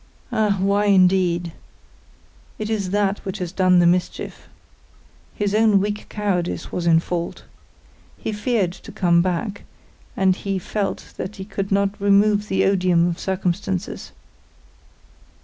"Ah, why, indeed! It is that which has done the mischief. His own weak cowardice was in fault. He feared to come back, and he felt that he could not remove the odium of circumstances.